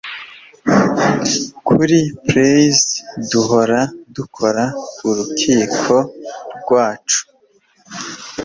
kuri plays, duhora dukora urukiko rwacu